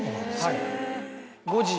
はい。